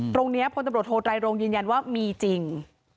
ตรงนี้พตโทรไตรโรงยืนยันว่ามีจริง